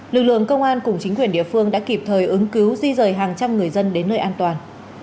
lực lượng công an cùng chính quyền địa phương đã kịp thời ứng cứu di rời hàng trăm người dân đến nơi an toàn